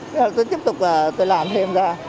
rồi tôi tiếp tục làm thêm ra